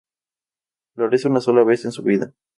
Florece una sola vez en su vida.